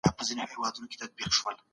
ښه ذهنیت پرمختګ نه دروي.